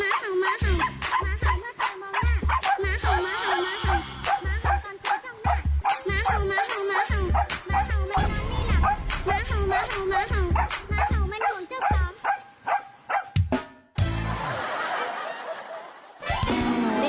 ดิฉันสงสัย